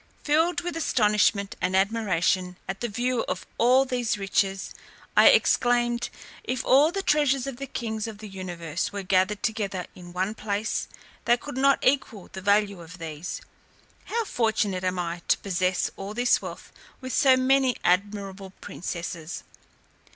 Filled with astonishment and admiration at the view of all these riches, I exclaimed, "If all the treasures of the kings of the universe were gathered together in one place, they could not equal the value of these. How fortunate am I to possess all this wealth with so many admirable princesses!